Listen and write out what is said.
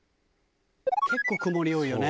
結構曇り多いよね。